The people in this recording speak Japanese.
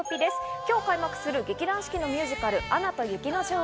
今日開幕する劇団四季のミュージカル『アナと雪の女王』。